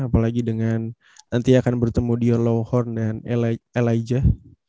apalagi dengan nanti akan bertemu dior lowhorn dan elijah